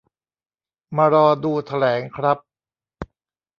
มารอดูแถลงครับ